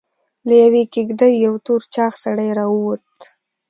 له يوې کېږدۍ يو تور چاغ سړی راووت.